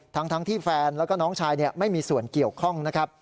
ทั้งที่แฟนแล้วก็น้องชายไม่มีส่วนเกี่ยวข้องนะครับ